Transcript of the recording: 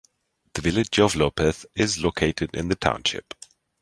The village of Lopez is located in the township.